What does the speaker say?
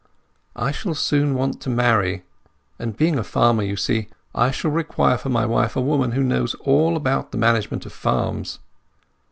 I shall soon want to marry, and, being a farmer, you see I shall require for my wife a woman who knows all about the management of farms.